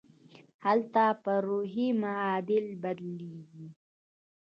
هلته پر روحي معادل بدلېږي.